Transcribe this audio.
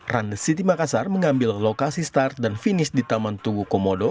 run city makassar mengambil lokasi start dan finish di taman tugu komodo